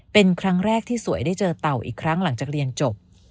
เป็นครั้งแรกที่สวยได้เจอเต่าอีกครั้งหลังจากเรียนจบ